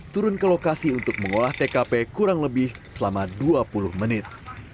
turun ke lokasi untuk mengolah tkp kurang lebih selama dua puluh menit